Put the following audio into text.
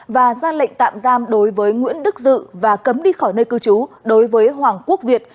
và ra lệnh tạm giam đối với nguyễn đức dự và cấm đi khỏi nơi cư trú đối với hoàng quốc việt